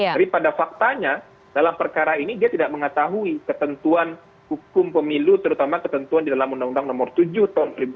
daripada faktanya dalam perkara ini dia tidak mengetahui ketentuan hukum pemilu terutama ketentuan di dalam undang undang no tujuh tahun dua ribu tujuh belas tentang pemilihan umum